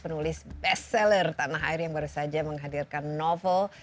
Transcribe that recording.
penulis bestseller tanah air yang baru saja menghadirkan novel